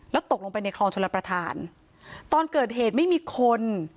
แล้วตกลงไปในคลองชลประธานตอนเกิดเหตุไม่มีคน